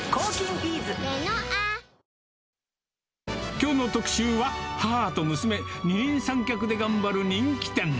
きょうの特集は、母と娘、二人三脚で頑張る人気店。